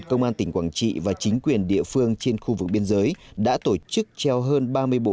công an tỉnh quảng trị và chính quyền địa phương trên khu vực biên giới đã tổ chức trao hơn ba mươi bộ